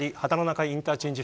中井インターチェンジ